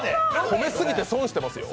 褒めすぎて損してますよ。